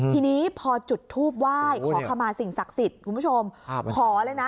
ทีนี้พอจุดทูปไหว้ขอขมาสิ่งศักดิ์สิทธิ์คุณผู้ชมขอเลยนะ